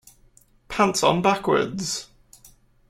Pants on backwards!